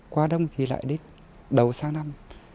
qua đông thì lại đến đầu sáng năm